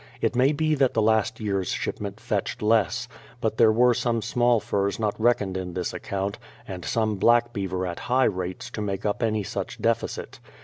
It may be that the last year's shipment fetched less; but there were some small furs not reckoned in this account, and some black beaver at high rates, to make up any such deficit.